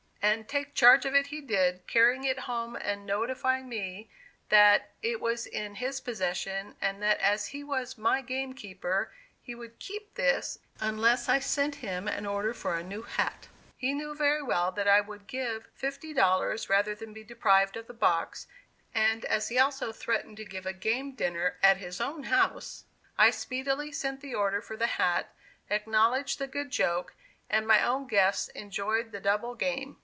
And "take charge" of it he did, carrying it home and notifying me that it was in his possession, and that as he was my game keeper he would "keep" this, unless I sent him an order for a new hat. He knew very well that I would give fifty dollars rather than be deprived of the box, and as he also threatened to give a game dinner at his own house, I speedily sent the order for the hat, acknowledged the good joke, and my own guests enjoyed the double "game."